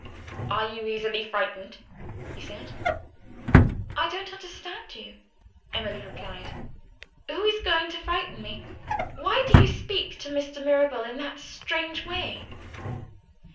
"Are you easily frightened?" he said "I don't understand you," Emily replied. "Who is going to frighten me? Why did you speak to Mr. Mirabel in that strange way?"